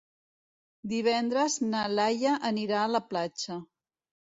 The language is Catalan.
Divendres na Laia anirà a la platja.